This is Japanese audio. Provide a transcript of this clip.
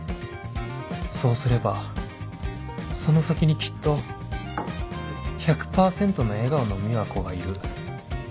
そうすればその先にきっと １００％ の笑顔の美和子がいる